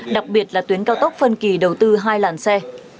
đặc biệt là tuyến cao tốc phân kỳ đầu tư hai làn xe